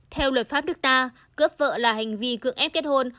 theo luật pháp nước ta cướp vợ là hành vi cưỡng ép kết hôn